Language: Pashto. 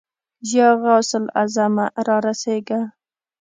يا غوث الاعظمه! را رسېږه.